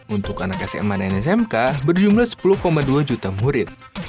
untuk anak sma dan smk berjumlah sepuluh dua juta murid